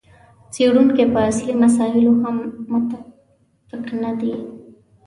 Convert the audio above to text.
څېړونکي په اصلي مسایلو هم متفق نه دي.